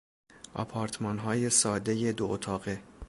آپارتمانهای سادهی دو اتاقه